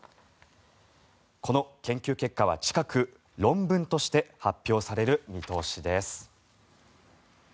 この研究結果は近く論文として発表される見通しです。